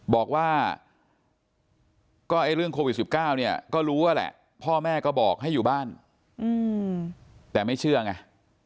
บอกว่าก็เรื่องโควิด๑๙เนี่ยก็รู้ว่าแหละพ่อแม่ก็บอกให้อยู่บ้านแต่ไม่เชื่อไง